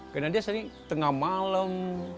karena dia sering tengah malam